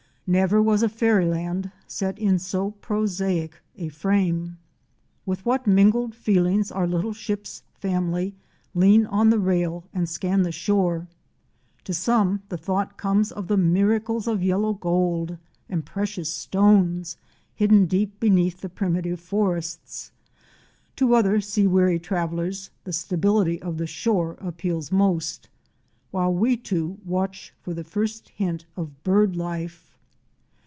Never was a fairyland set in so prosaic a frame! With what mingled feelings our little ship's family lean on the rail and scan the shore! To some the thought comes of the miracles of yellow gold and precious stones hidden deep beneath the primitive forests; to other sea weary travellers the stability of the shore appeals most; while we two watch for the first hint of bird life.